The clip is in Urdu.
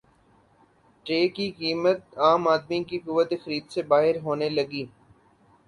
ٹےکی قیمت عام دمی کی قوت خرید سے باہر ہونے لگی